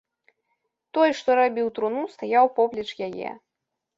Той, што рабіў труну, стаяў поплеч яе.